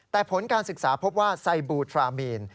แต่ผลการศึกษาพบว่าไซบูทรามีน